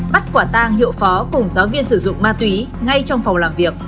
bắt quả tang hiệu phó cùng giáo viên sử dụng ma túy ngay trong phòng làm việc